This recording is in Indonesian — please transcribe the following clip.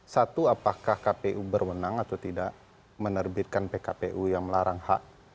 satu apakah kpu berwenang atau tidak menerbitkan pkpu yang melarang hak